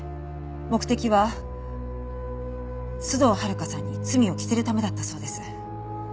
目的は須藤温香さんに罪を着せるためだったそうです。